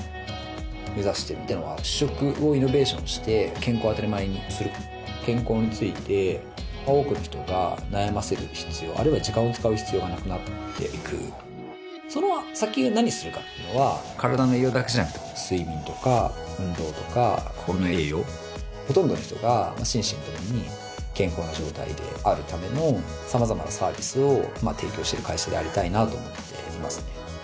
目指していっているのは主食をイノベーションして健康を当たり前にする健康について多くの人が悩ませる必要あるいは時間を使う必要がなくなっていくその先を何するかっていうのは体の栄養だけじゃなくて睡眠とか運動とか心の栄養ほとんどの人が心身ともに健康な状態であるためのさまざまなサービスを提供してる会社でありたいなと思っていますね